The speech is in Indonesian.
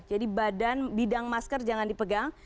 jadi bidang masker jangan dipegang